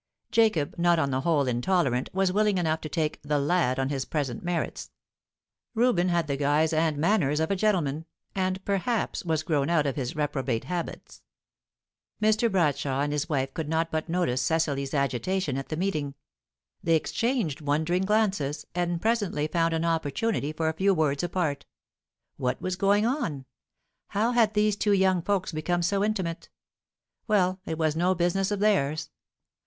Jacob, not on the whole intolerant, was willing enough to take "the lad" on his present merits; Reuben had the guise and manners of a gentleman, and perhaps was grown out of his reprobate habits. Mr. Bradshaw and his wife could not but notice Cecily's agitation at the meeting; they exchanged wondering glances, and presently found an opportunity for a few words apart. What was going on? How had these two young folks become so intimate? Well, it was no business of theirs.